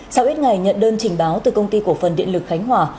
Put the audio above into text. sau ít ngày nhận đơn trình báo từ công ty cổ phần điện lực khánh hòa